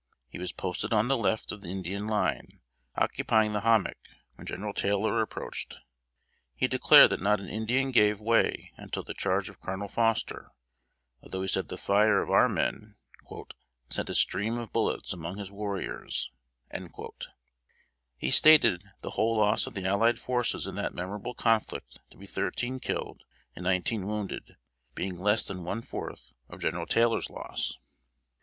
He was posted on the left of the Indian line, occupying the hommock, when General Taylor approached. He declared that not an Indian gave way until the charge of Colonel Foster, although he said the fire of our men "sent a stream of bullets among his warriors." He stated the whole loss of the allied forces in that memorable conflict to be thirteen killed and nineteen wounded, being less than one fourth of General Taylor's loss.